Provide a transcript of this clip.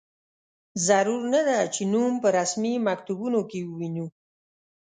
ضرور نه ده چې نوم په رسمي مکتوبونو کې ووینو.